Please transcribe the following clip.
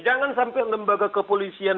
jangan sampai lembaga kepolisian